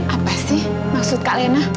apa sih maksud kak lena